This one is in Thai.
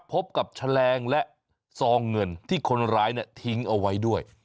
พบกับแฉลงและซองเงินที่คนร้ายทิ้งเอาไว้ด้วย